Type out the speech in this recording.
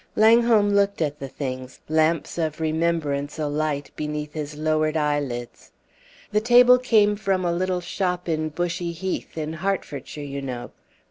Langholm looked at the things, lamps of remembrance alight beneath his lowered eyelids. "The table came from a little shop on Bushey Heath, in Hertfordshire, you know.